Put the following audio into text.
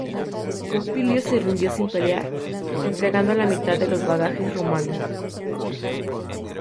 Popilio se rindió sin pelear, entregando la mitad de los bagajes romanos.